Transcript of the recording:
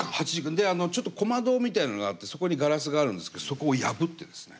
であのちょっと小窓みたいなのがあってそこにガラスがあるんですけどそこを破ってですね